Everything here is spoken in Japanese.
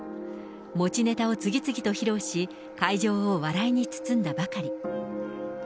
持ちネタを次々と披露し、会場を笑いに包んだばかり。